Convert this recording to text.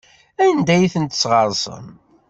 Anda ay ten-tesɣersem?